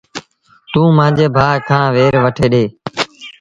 توݩ مآݩجي ڀآ کآݩ وير وٺي ڏي۔